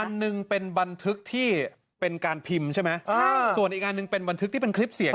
อันหนึ่งเป็นบันทึกที่เป็นการพิมพ์ใช่ไหมอ่าส่วนอีกอันหนึ่งเป็นบันทึกที่เป็นคลิปเสียง